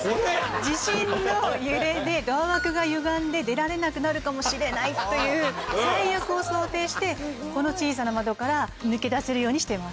地震の揺れでドア枠がゆがんで出られなくなるかもしれないという最悪を想定してこの小さな窓から抜け出せるようにしてます。